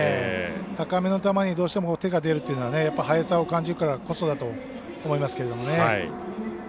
高めの球にどうしても手が出るっていうのは速さを感じるからこそだと思いますけれどもね。